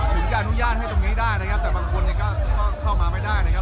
ถึงจะอนุญาตให้ตรงนี้ได้นะครับแต่บางคนเนี่ยก็เข้ามาไม่ได้นะครับ